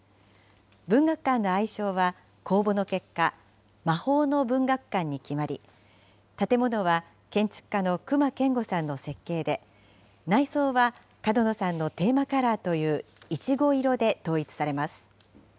文学館の愛称は、公募の結果、魔法の文学館に決まり、建物は建築家の隈研吾さんの設計で、内装は角野さんのテーマカラーといういちご色で統一されます。